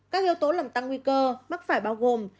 các yếu tố làm tăng nguy cơ mắc phải bao gồm